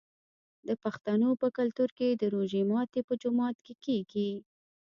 د پښتنو په کلتور کې د روژې ماتی په جومات کې کیږي.